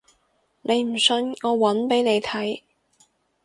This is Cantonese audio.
你唔信我搵俾你睇